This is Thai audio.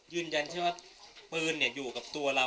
ยืนยันใช่ไหมปืนอยู่กับตัวเรา